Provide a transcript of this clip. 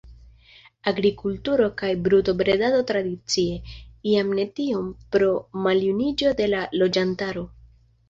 Agrikulturo kaj brutobredado tradicie, jam ne tiom pro maljuniĝo de la loĝantaro.